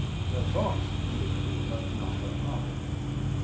Her thoughts knew, but not her heart.